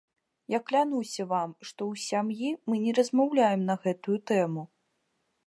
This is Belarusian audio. Я клянуся вам, што ў сям'і мы не размаўляем на гэтую тэму.